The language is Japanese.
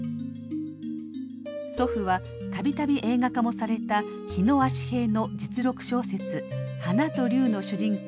祖父は度々映画化もされた火野葦平の実録小説「花と龍」の主人公